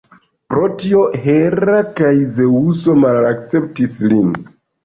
Pro tio, Hera kaj Zeŭso malakceptis lin.